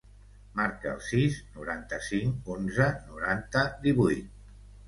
Marca el sis, noranta-cinc, onze, noranta, divuit.